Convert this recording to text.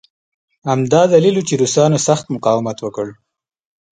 همدا دلیل و چې روسانو سخت مقاومت وکړ